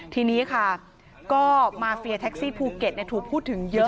ทีนี้ค่ะก็มาเฟียแท็กซี่ภูเก็ตถูกพูดถึงเยอะ